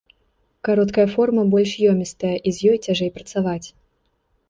Кароткая форма больш ёмістая, і з ёй цяжэй працаваць.